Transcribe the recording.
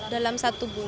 dalam satu bulan